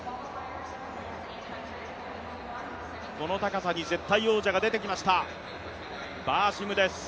この高さに絶対王者が出てきました、バーシムです。